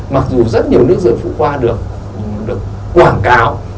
mặc dù rất nhiều nước rửa phụ khoa được quảng cáo